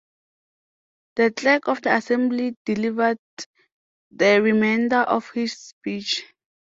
The clerk of the Assembly delivered the remainder of his speech.